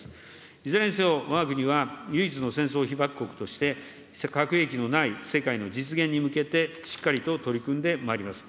いずれにせよ、わが国は唯一の戦争被爆国として、核兵器のない世界の実現に向けてしっかりと取り組んでまいります。